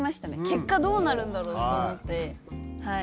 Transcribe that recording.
結果どうなるんだろうって思ってはい。